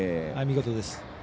見事です。